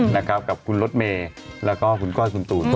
นักกาลกับคุณลดเมแล้วก็คุณก้อยคุณตูน